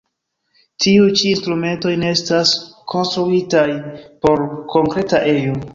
Tiuj ĉi instrumentoj ne estas konstruitaj por konkreta ejo.